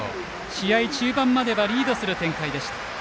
試合中盤まではリードする展開でした。